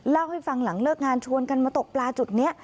เล่าให้ฟังหลังเลิกงานชวนกันมาตกปลาจุดนี้